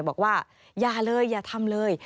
บอกว่าอย่าเลยอย่าทำเลย